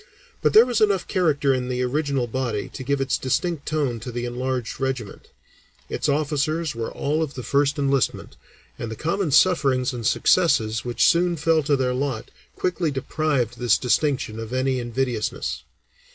But there was enough character in the original body to give its distinct tone to the enlarged regiment; its officers were all of the first enlistment, and the common sufferings and successes which soon fell to their lot quickly deprived this distinction of any invidiousness.